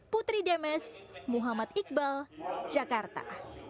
putri demes muhammad iqbal jakarta